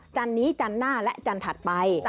จันนี้จันทร์หน้าและจันถัดไป